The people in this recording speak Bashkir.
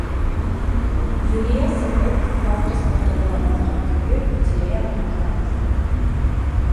Юлия сығып баҫҡыс болдорона баҫҡан көйө тирә-яғына ҡаранды.